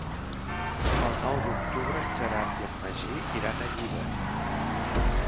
El nou d'octubre en Gerard i en Magí iran a Llíber.